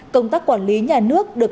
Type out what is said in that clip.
công tác quản lý nhà nước được